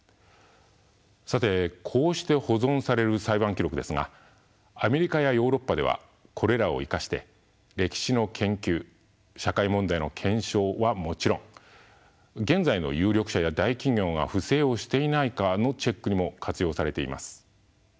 さてこうして保存される裁判記録ですがアメリカやヨーロッパではこれらを生かして歴史の研究社会問題の検証はもちろん現在の有力者や大企業が不正をしていないかのチェックにも活用されています。